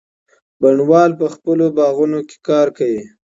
بڼوال په خپلو باغونو کي کار کوي.